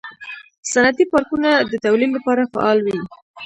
صنعتي پارکونه د تولید لپاره فعال وي.